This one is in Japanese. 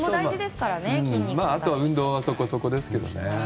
あとは運動もそこそこですけどね。